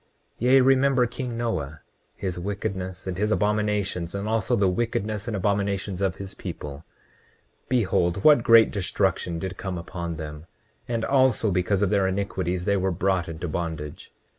29:18 Yea, remember king Noah, his wickedness and his abominations, and also the wickedness and abominations of his people. Behold what great destruction did come upon them; and also because of their iniquities they were brought into bondage.